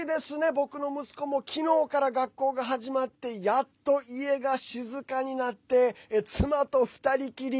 僕の息子も昨日から学校が始まってやっと家が静かになって妻と二人きり。